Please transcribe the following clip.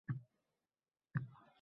xitoylik olimlar tomonidan yaratilgan